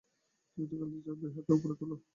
যদি খেলতে চাও, দুইহাত উপরে তোলো।